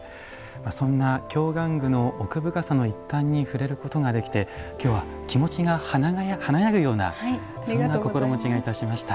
そんな京玩具の奥深さの一端に触れることができて、きょうは気持ちが華やぐようなそんな心持ちがいたしました。